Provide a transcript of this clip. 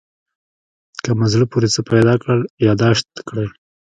که مو زړه پورې څه پیدا کړل یادداشت کړئ.